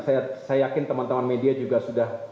saya yakin teman teman media juga sudah